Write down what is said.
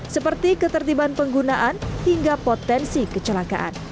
seperti ketertiban penggunaan hingga potensi kecelakaan